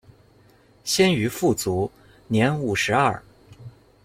先于父卒，年五十二。